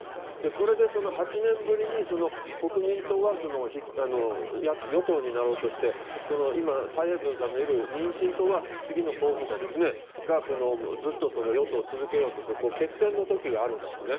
これで８年ぶりに国民党は与党になろうとしていて今、蔡英文さんのいる民進党は次の候補者がずっと、与党を続けようとする決戦の時があるんですね。